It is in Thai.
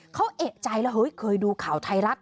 เขาเอกใจแล้วเคยดูข่าวไทยรัตน์